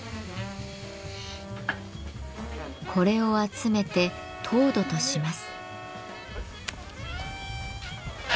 これを集めて陶土とします。